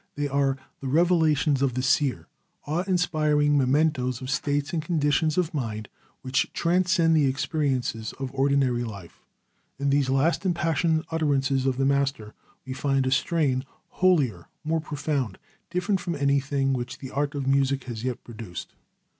They are the revelations of the seer, awe inspiring mementos of states and conditions of mind which transcend the experiences of ordinary life. In these last impassioned utterances of the master, we find a strain holier, more profound, different from anything which the art of music has yet produced.